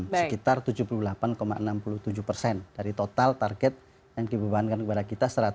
sekitar rp tujuh puluh delapan enam puluh tujuh triliun dari total target yang dibebankan kepa bea selamat